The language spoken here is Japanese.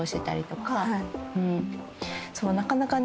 なかなかね